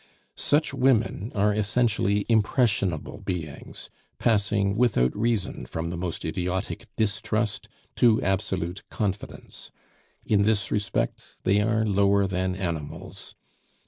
Such women are essentially impressionable beings, passing without reason from the most idiotic distrust to absolute confidence. In this respect they are lower than animals.